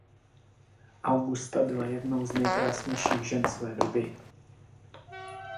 Augusta byla jednou z nejkrásnějších žen své doby.